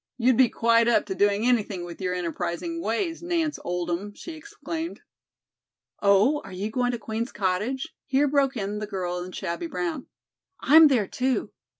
"You'd be quite up to doing anything with your enterprising ways, Nance Oldham," she exclaimed. "Oh, are you going to Queen's cottage?" here broke in the girl in shabby brown. "I'm there, too.